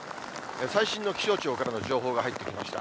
最新の気象庁からの情報が入ってきました。